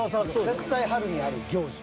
絶対春にある行事。